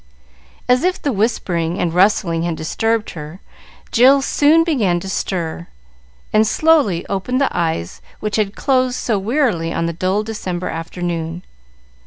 As if the whispering and rustling had disturbed her, Jill soon began to stir, and slowly opened the eyes which had closed so wearily on the dull December afternoon.